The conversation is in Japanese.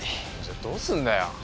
じゃあどうすんだよ？